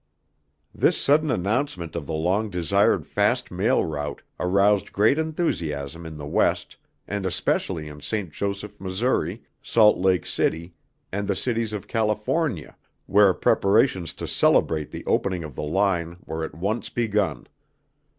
This sudden announcement of the long desired fast mail route aroused great enthusiasm in the West and especially in St. Joseph, Missouri, Salt Lake City, and the cities of California, where preparations to celebrate the opening of the line were at once begun.